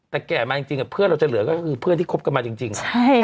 แต่แก่มาจริงเพื่อนเราจะเหลือก็คือเพื่อนที่คบกันมาจริง